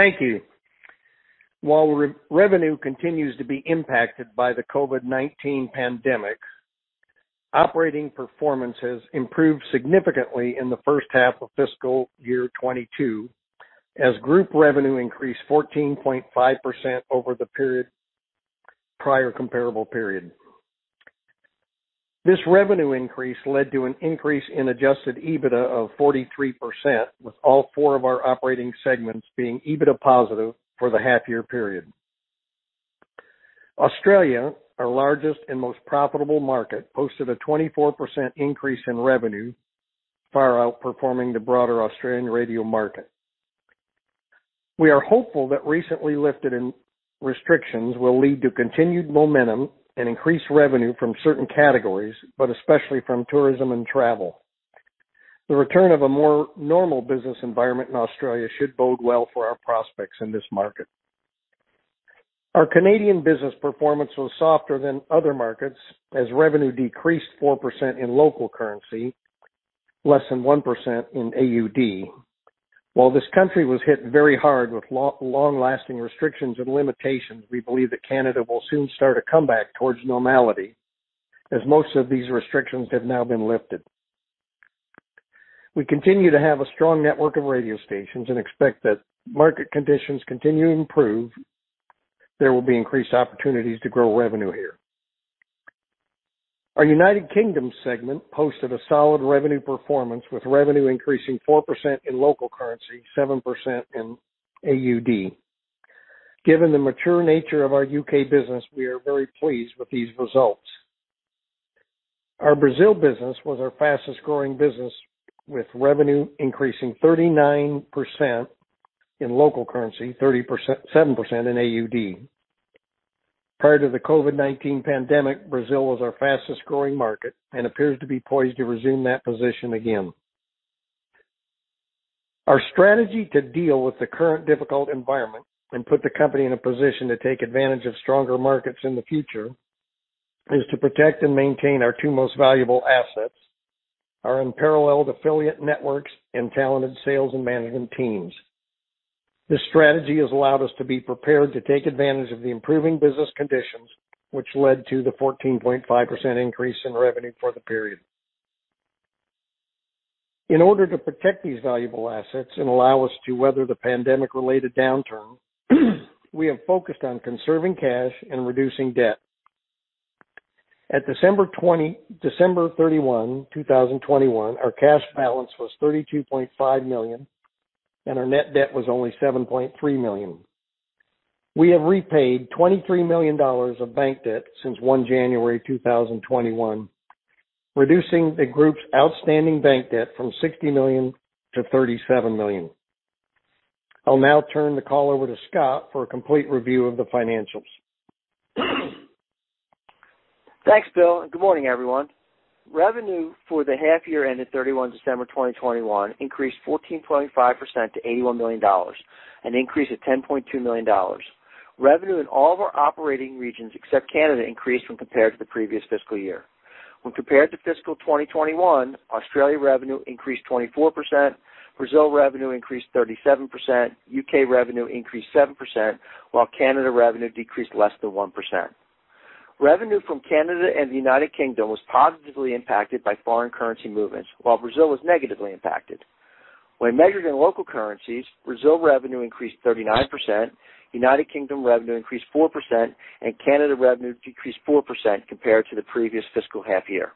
Thank you. While revenue continues to be impacted by the COVID-19 pandemic, operating performance has improved significantly in the first half of fiscal year 2022 as group revenue increased 14.5% over the prior comparable period. This revenue increase led to an increase in Adjusted EBITDA of 43%, with all four of our operating segments being EBITDA positive for the half year period. Australia, our largest and most profitable market, posted a 24% increase in revenue, far outperforming the broader Australian radio market. We are hopeful that recently lifted restrictions will lead to continued momentum and increased revenue from certain categories, but especially from tourism and travel. The return of a more normal business environment in Australia should bode well for our prospects in this market. Our Canadian business performance was softer than other markets as revenue decreased 4% in local currency, less than 1% in AUD. While this country was hit very hard with long-lasting restrictions and limitations, we believe that Canada will soon start a comeback towards normality, as most of these restrictions have now been lifted. We continue to have a strong network of radio stations and expect that market conditions continue to improve. There will be increased opportunities to grow revenue here. Our United Kingdom segment posted a solid revenue performance, with revenue increasing 4% in local currency, 7% in AUD. Given the mature nature of our U.K. business, we are very pleased with these results. Our Brazil business was our fastest growing business, with revenue increasing 39% in local currency, 37% in AUD. Prior to the COVID-19 pandemic, Brazil was our fastest growing market and appears to be poised to resume that position again. Our strategy to deal with the current difficult environment and put the company in a position to take advantage of stronger markets in the future is to protect and maintain our two most valuable assets, our unparalleled affiliate networks and talented sales and management teams. This strategy has allowed us to be prepared to take advantage of the improving business conditions, which led to the 14.5% increase in revenue for the period. In order to protect these valuable assets and allow us to weather the pandemic-related downturn, we have focused on conserving cash and reducing debt. At December 31, 2021, our cash balance was 32.5 million, and our net debt was only 7.3 million. We have repaid 23 million dollars of bank debt since 1 January 2021, reducing the group's outstanding bank debt from 60 million to 37 million. I'll now turn the call over to Scott for a complete review of the financials. Thanks, Bill, and good morning, everyone. Revenue for the half year ended 31 December 2021 increased 14.5% to 81 million dollars, an increase of 10.2 million dollars. Revenue in all of our operating regions except Canada increased when compared to the previous fiscal year. When compared to fiscal 2021, Australia revenue increased 24%, Brazil revenue increased 37%, U.K. revenue increased 7%, while Canada revenue decreased less than 1%. Revenue from Canada and the United Kingdom was positively impacted by foreign currency movements, while Brazil was negatively impacted. When measured in local currencies, Brazil revenue increased 39%, United Kingdom revenue increased 4%, and Canada revenue decreased 4% compared to the previous fiscal half year.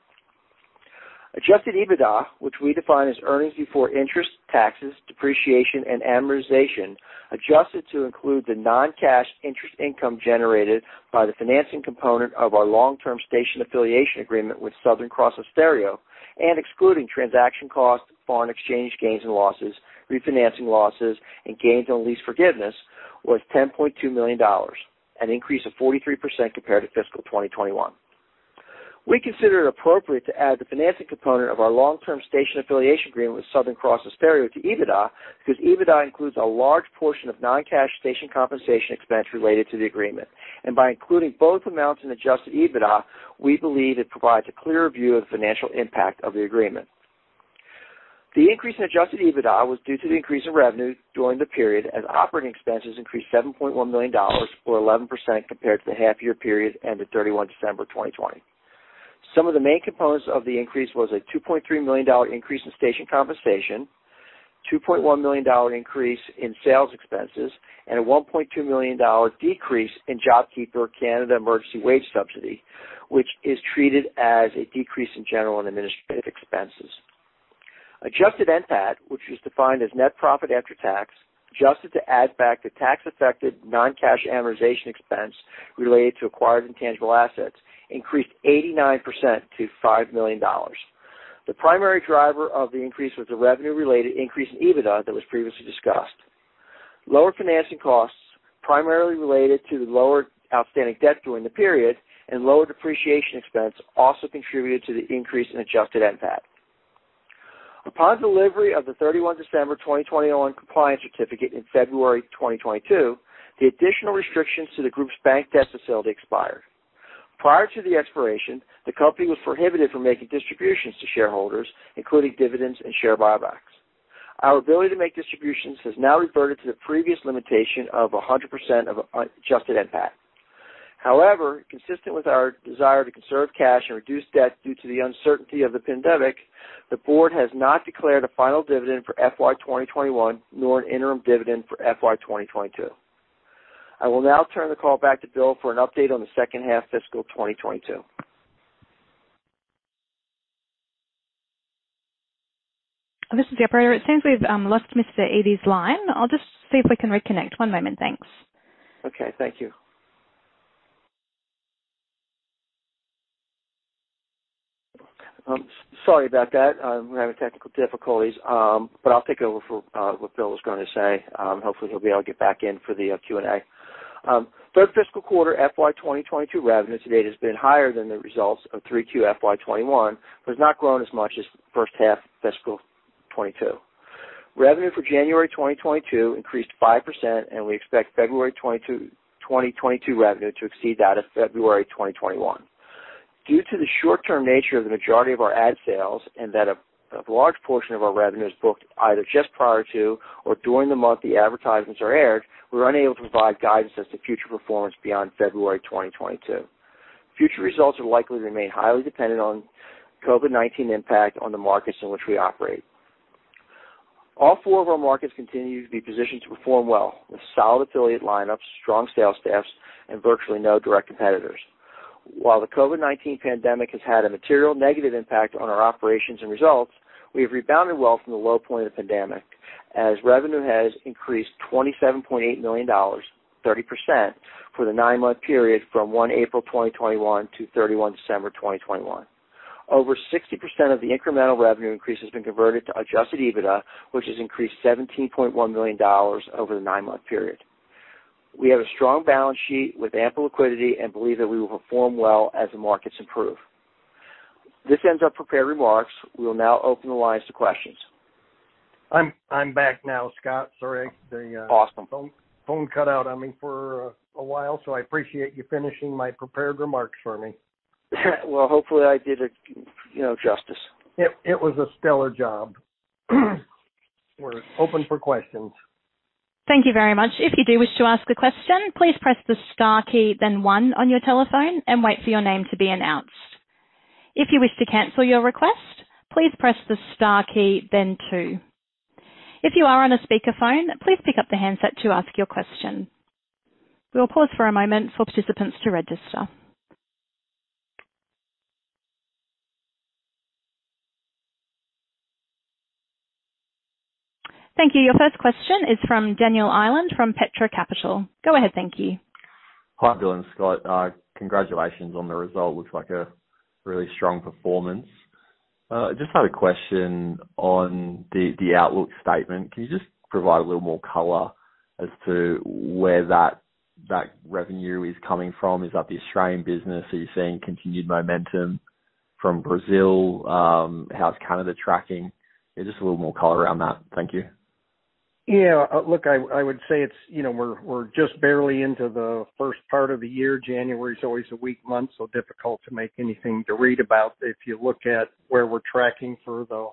Adjusted EBITDA, which we define as earnings before interest, taxes, depreciation, and amortization, adjusted to include the non-cash interest income generated by the financing component of our long-term station affiliation agreement with Southern Cross Austereo and excluding transaction costs, foreign exchange gains and losses, refinancing losses, and gains on lease forgiveness, was 10.2 million dollars, an increase of 43% compared to FY 2021. We consider it appropriate to add the financing component of our long-term station affiliation agreement with Southern Cross Austereo to EBITDA because EBITDA includes a large portion of non-cash station compensation expense related to the agreement. By including both amounts in Adjusted EBITDA, we believe it provides a clearer view of the financial impact of the agreement. The increase in Adjusted EBITDA was due to the increase in revenue during the period as operating expenses increased 7.1 million dollars or 11% compared to the half-year period ended 31 December 2020. Some of the main components of the increase was a 2.3 million dollar increase in station compensation, 2.1 million dollar increase in sales expenses, and a 1.2 million dollar decrease in JobKeeper and Canada Emergency Wage Subsidy, which is treated as a decrease in general and administrative expenses. Adjusted NPAT, which is defined as net profit after tax, adjusted to add back the tax-affected non-cash amortization expense related to acquired intangible assets, increased 89% to 5 million dollars. The primary driver of the increase was the revenue-related increase in EBITDA that was previously discussed. Lower financing costs, primarily related to the lower outstanding debt during the period and lower depreciation expense also contributed to the increase in Adjusted NPAT. Upon delivery of the 31 December 2021 compliance certificate in February 2022, the additional restrictions to the group's bank debt facility expired. Prior to the expiration, the company was prohibited from making distributions to shareholders, including dividends and share buybacks. Our ability to make distributions has now reverted to the previous limitation of 100% of Adjusted NPAT. However, consistent with our desire to conserve cash and reduce debt due to the uncertainty of the pandemic, the board has not declared a final dividend for FY 2021, nor an interim dividend for FY 2022. I will now turn the call back to Bill for an update on the second half fiscal 2022. This is the operator. It seems we've lost Mr. Yde's line. I'll just see if we can reconnect. One moment. Thanks. Okay, thank you. Sorry about that. We're having technical difficulties, but I'll take over for what Bill was gonna say. Hopefully he'll be able to get back in for the Q&A. Third fiscal quarter FY 2022 revenues to date has been higher than the results of 3Q FY 2021, but not grown as much as first half fiscal 2022. Revenue for January 2022 increased 5%, and we expect February 2022 revenue to exceed that of February 2021. Due to the short-term nature of the majority of our ad sales, and that a large portion of our revenue is booked either just prior to or during the month the advertisements are aired, we're unable to provide guidance as to future performance beyond February 2022. Future results are likely to remain highly dependent on COVID-19 impact on the markets in which we operate. All four of our markets continue to be positioned to perform well with solid affiliate lineups, strong sales staffs, and virtually no direct competitors. While the COVID-19 pandemic has had a material negative impact on our operations and results, we have rebounded well from the low point of the pandemic, as revenue has increased 27.8 million dollars, 30%, for the nine-month period from 1 April 2021 to 31 December 2021. Over 60% of the incremental revenue increase has been converted to Adjusted EBITDA, which has increased 17.1 million dollars over the nine-month period. We have a strong balance sheet with ample liquidity and believe that we will perform well as the markets improve. This ends our prepared remarks. We will now open the lines to questions. I'm back now, Scott. Sorry. Awesome. Phone cut out on me for a while, so I appreciate you finishing my prepared remarks for me. Well, hopefully I did it, you know, justice. It was a stellar job. We're open for questions. Thank you very much. If you do wish to ask a question, please press the star key then one on your telephone and wait for your name to be announced. If you wish to cancel your request, please press the star key then two. If you are on a speakerphone, please pick up the handset to ask your question. We will pause for a moment for participants to register. Thank you. Your first question is from Daniel Toleman from Petra Capital. Go ahead. Thank you. Hi, Bill and Scott. Congratulations on the result. Looks like a really strong performance. Just had a question on the outlook statement. Can you just provide a little more color as to where that revenue is coming from? Is that the Australian business? Are you seeing continued momentum from Brazil? How's Canada tracking? Yeah, just a little more color around that. Thank you. Yeah. Look, I would say it's, you know, we're just barely into the first part of the year. January is always a weak month, so difficult to make anything to read about. If you look at where we're tracking for the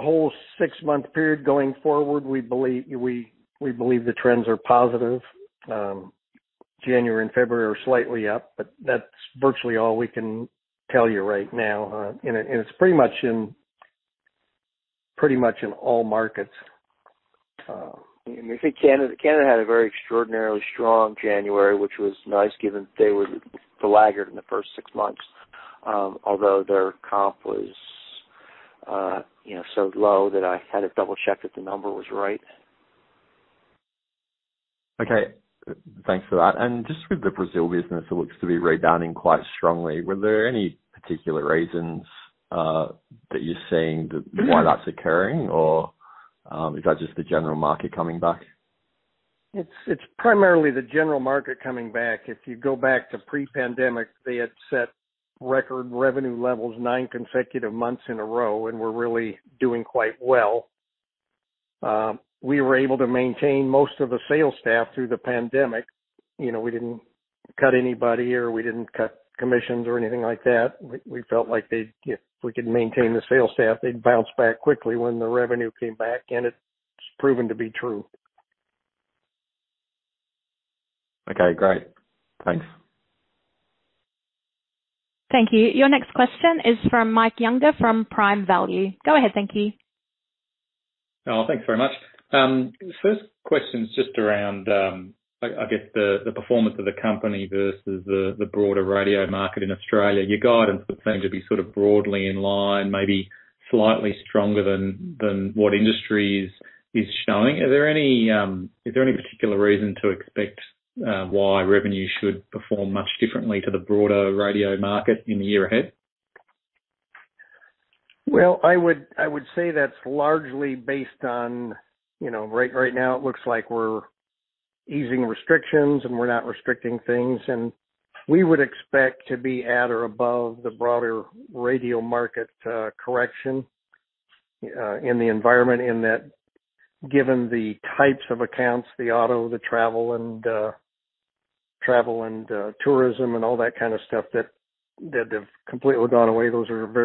whole six-month period going forward, we believe the trends are positive. January and February are slightly up, but that's virtually all we can tell you right now. And it's pretty much in all markets. Let me see. Canada had a very extraordinarily strong January, which was nice given they were the laggard in the first six months. Although their comp was, you know, so low that I had to double-check that the number was right. Okay. Thanks for that. Just with the Brazil business, it looks to be rebounding quite strongly. Were there any particular reasons that you're seeing th- Mm-hmm. Why that's occurring? Or, is that just the general market coming back? It's primarily the general market coming back. If you go back to pre-pandemic, they had set record revenue levels nine consecutive months in a row and were really doing quite well. We were able to maintain most of the sales staff through the pandemic. You know, we didn't cut anybody or we didn't cut commissions or anything like that. We felt like they'd, if we could maintain the sales staff, they'd bounce back quickly when the revenue came back, and it's proven to be true. Okay, great. Thanks. Thank you. Your next question is from Mike Younger from Prime Value. Go ahead. Thank you. Oh, thanks very much. First question is just around, I guess the performance of the company versus the broader radio market in Australia. Your guidance would seem to be sort of broadly in line, maybe slightly stronger than what industry is showing. Is there any particular reason to expect why revenue should perform much differently to the broader radio market in the year ahead? Well, I would say that's largely based on, you know, right now it looks like we're easing restrictions and we're not restricting things. We would expect to be at or above the broader radio market correction in the environment in that, given the types of accounts, the auto, the travel, and tourism and all that kind of stuff that have completely gone away, those are very-